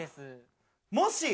もし。